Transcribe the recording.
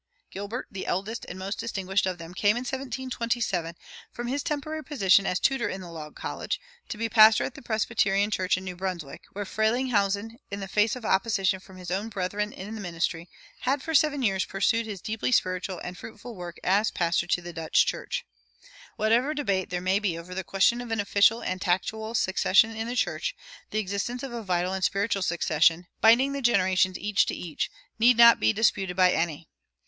Gilbert, the eldest and most distinguished of them, came in 1727, from his temporary position as tutor in the Log College, to be pastor to the Presbyterian church in New Brunswick, where Frelinghuysen, in the face of opposition from his own brethren in the ministry, had for seven years pursued his deeply spiritual and fruitful work as pastor to the Dutch church. Whatever debate there may be over the question of an official and tactual succession in the church, the existence of a vital and spiritual succession, binding "the generations each to each," need not be disputed by any.